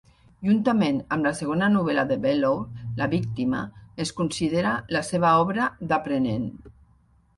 Juntament amb la segona novel·la de Bellow, "La víctima", es considera la seva obra "d"aprenent".